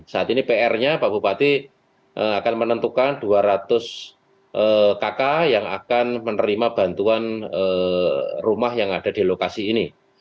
saat ini pr nya pak bupati akan menentukan dua ratus kakak yang akan menerima bantuan rumah yang ada di lokasi ini